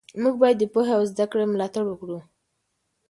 موږ باید د پوهې او زده کړې ملاتړ وکړو.